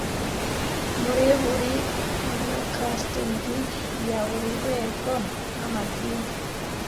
Muri buri hue na caste ndi, ya buri rwego n'amadini,